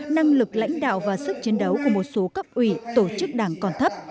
năng lực lãnh đạo và sức chiến đấu của một số cấp ủy tổ chức đảng còn thấp